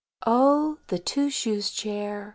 _—Oh! the Two shoes Chair!